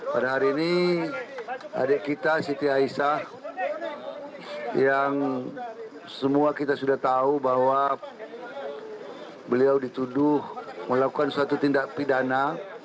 pada hari ini adik kita siti aisyah yang semua kita sudah tahu bahwa beliau dituduh melakukan suatu tindak pidana